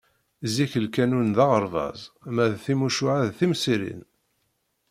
Zik, lkanun d aɣerbaz ma d timucuha d timsirin.